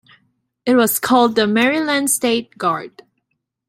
It was called the Maryland State Guard.